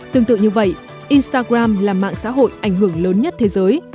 tương tự như vậy instagram là mạng xã hội ảnh hưởng lớn nhất thế giới